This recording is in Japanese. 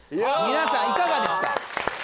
皆さんいかがですか？